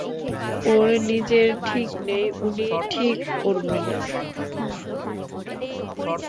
ওঁর নিজের ঠিক নেই, উনি ঠিক করবেন!